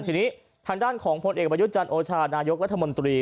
ทีนี้ทางด้านของผลเอกไบรุจรรเอกโนะโชวระนายกรรถมนตรี